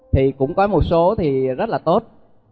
thì cũng có một số thì rất là tốt